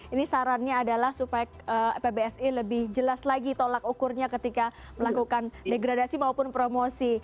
ini sarannya adalah supaya pbsi lebih jelas lagi tolak ukurnya ketika melakukan degradasi maupun promosi